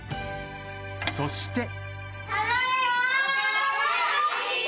［そして］